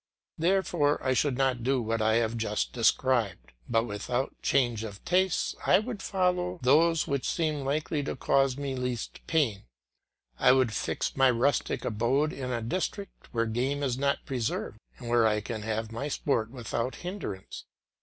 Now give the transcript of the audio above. Therefore I should not do what I have just described, but without change of tastes I would follow those which seem likely to cause me least pain. I would fix my rustic abode in a district where game is not preserved, and where I can have my sport without hindrance.